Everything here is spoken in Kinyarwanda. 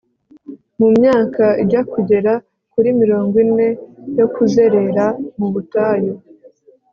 Mu myaka ijya kugera kuri mirongo ine yo kuzerera mu butayu